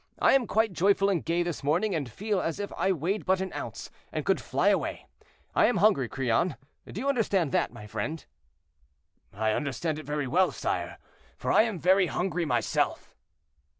I am quite joyful and gay this morning, and feel as if I weighed but an ounce, and could fly away. I am hungry, Crillon; do you understand that, my friend?" "I understand it very well, sire, for I am very hungry myself."